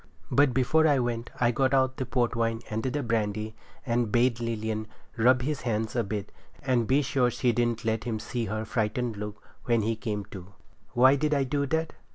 But before I went I got out the port wine and the brandy, and bade Lilian rub his hands a bit, and be sure she didn't let him see her looking frightened when he come to. Why did I do that?